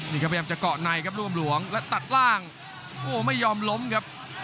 นี่ครับพยายามจะเกาะในครับร่วมหลวงและตัดล่างโอ้โหไม่ยอมล้มครับ